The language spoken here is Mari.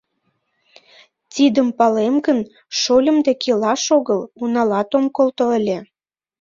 Тидым палем гын, шольым дек илаш огыл, уналат ом колто ыле.